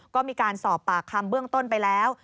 ก็มีการสอบปากคำเบื้องต้นไปแล้ว